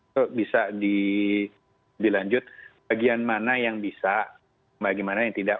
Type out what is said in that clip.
itu bisa dilanjut bagian mana yang bisa bagaimana yang tidak